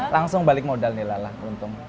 langsung balik modal di lala beruntung